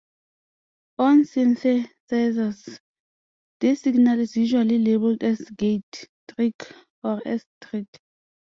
On synthesizers, this signal is usually labelled as "gate", "trig" or "S-trig".